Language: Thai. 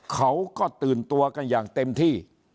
เขาก็ตื่นตัวกันอย่างเต็มที่